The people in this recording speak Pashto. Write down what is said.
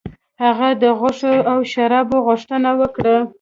هغه د غوښې او شرابو غوښتنه وکړه.